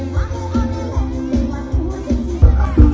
เวลาที่สุดท้าย